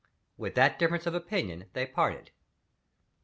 With that difference of opinion, they parted.